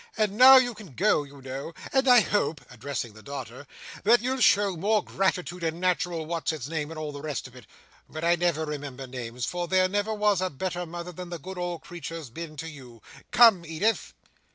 And now you can go, you know; and I hope," addressing the daughter, "that you'll show more gratitude, and natural what's its name, and all the rest of it—but I never remember names—for there never was a better mother than the good old creature's been to you. Come, Edith!"